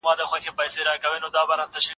تاسو ولې د نورو حقوق نه رعایت کوئ؟